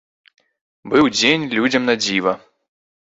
Быў дзень людзям на дзіва.